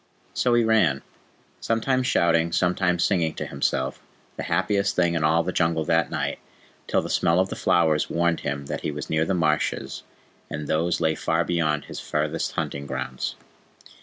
So he ran, sometimes shouting, sometimes singing to himself, the happiest thing in all the Jungle that night, till the smell of the flowers warned him that he was near the marshes, and those lay far beyond his farthest hunting grounds.